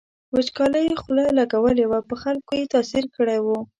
وچکالۍ خوله لګولې وه په خلکو یې تاثیر کړی و.